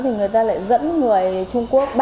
thì người ta lại dẫn người trung quốc